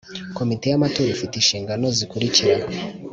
Komite y amatora ifite inshingano zikurikira